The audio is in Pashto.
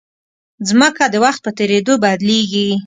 مځکه د وخت په تېرېدو بدلېږي.